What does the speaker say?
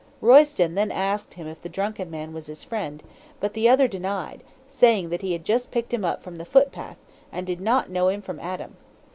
"Royston then asked him if the drunken man was his friend, but this the other denied, saying that he had just picked him up from the footpath, and did not know him from Adam.